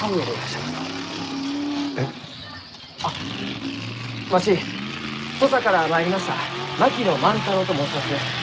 えっ？あっわし土佐から参りました槙野万太郎と申します。